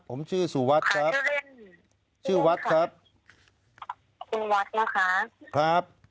ผมชื่อสวัสดิ์ครับชื่อวัสดิ์ครับคุณวัสดิ์นะคะ